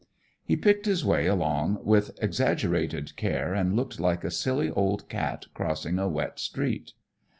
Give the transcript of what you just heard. He picked his way along with exaggerated care and looked like a silly old cat crossing a wet street.